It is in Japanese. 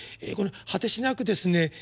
この果てしなくですね